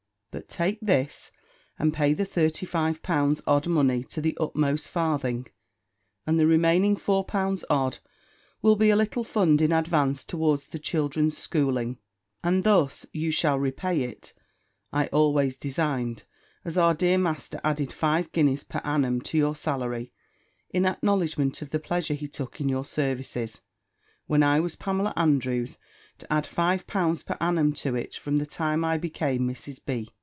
But take this, and pay the thirty five pounds odd money to the utmost farthing; and the remaining four pounds odd will be a little fund in advance towards the children's schooling. And thus you shall repay it; I always designed, as our dear master added five guineas per annum to your salary, in acknowledgement of the pleasure he took in your services, when I was Pamela Andrews, to add five pounds per annum to it from the time I became Mrs. B.